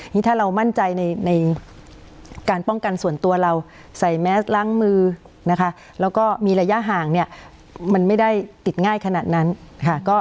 นี่ถ้าเรามั่นใจในการป้องกันส่วนตัวเราใส่แมสล้างมือนะคะแล้วก็มีระยะห่างเนี่ยมันไม่ได้ติดง่ายขนาดนั้นค่ะ